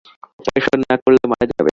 Operation না করলে মারা যাবে।